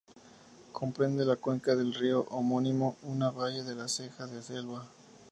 Comprende la cuenca del río homónimo, una valle de la ceja de selva.